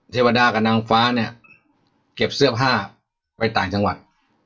เทวดากับนางฟ้าเนี่ยเก็บเสื้อผ้าไปต่างจังหวัด